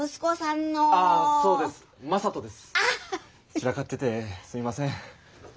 散らかっててすみません。